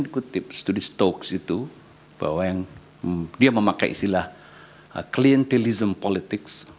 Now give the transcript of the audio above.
ketika saya mengikuti studi stokes itu bahwa yang dia memakai istilah klientelism politics